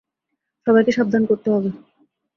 সবাইকে সাবধান করতে হবে।